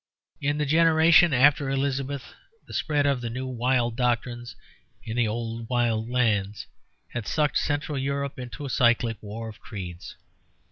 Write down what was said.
In the generation after Elizabeth the spread of the new wild doctrines in the old wild lands had sucked Central Europe into a cyclic war of creeds.